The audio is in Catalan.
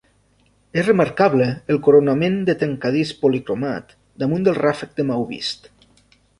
És remarcable el coronament de trencadís policromat, damunt del ràfec de maó vist.